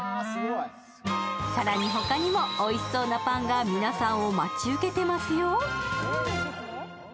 更に他にもおいしそうなパンが皆さんを待ち受けていますよ。